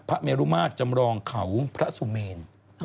เมรุมาตรจำรองเขาพระสุเมน